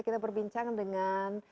kita berbincang dengan